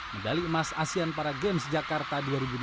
medali emas asean para games jakarta dua ribu delapan belas